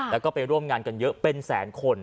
แล้วก็ไปร่วมงานกันเยอะเป็นแสนคน